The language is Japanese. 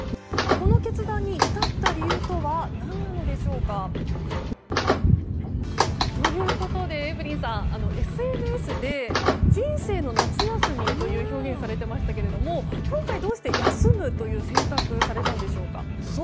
この決断に至った理由とは何なのでしょうか。ということで、エブリンさんＳＮＳで人生の夏休みという表現をされてましたけど今回、どうして休むという選択をされたんでしょうか。